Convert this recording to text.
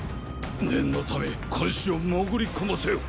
念のため監視を潜り込ませよ。